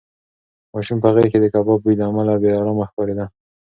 ماشوم په غېږ کې د کباب بوی له امله بې ارامه ښکارېده.